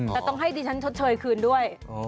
เราก็ต้องให้ดิฉันทดเชยคืนด้วย